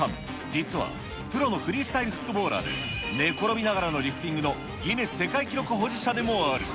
実はプロのフリースタイルフットボーラーで、寝ころびながらのリフティングのギネス世界記録保持者でもある。